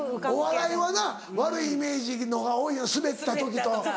お笑いはな悪いイメージの方が多いスベった時と。